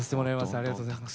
ありがとうございます。